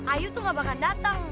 ayu tuh gak bakal dateng